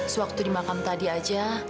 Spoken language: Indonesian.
sewaktu di makam tadi aja